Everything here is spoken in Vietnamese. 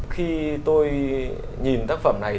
khi tôi nhìn tác phẩm này